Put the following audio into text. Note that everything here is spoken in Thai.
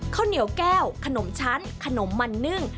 ข้าวเหนียวแก้วขนมชั้นขนมมันนึ่ง